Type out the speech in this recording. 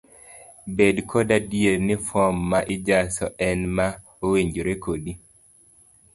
Bed koda adier ni fom ma ijaso en ma owinjore kodi.